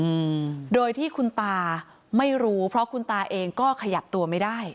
อืมโดยที่คุณตาไม่รู้เพราะคุณตาเองก็ขยับตัวไม่ได้